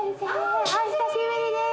お久しぶりです！